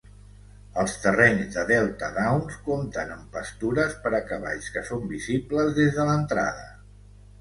Els terrenys de Delta Downs compten amb pastures per a cavalls que són visibles des de l'entrada.